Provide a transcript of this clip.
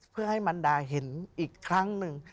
เพื่อให้มันดาเห็นอีกครั้งหนึ่ง